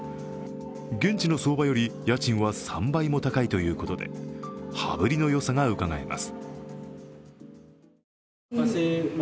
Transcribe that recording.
現地の相場より家賃は３倍も高いということで羽振りの良さがうかがえます。